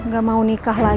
gak mau nikah loh bu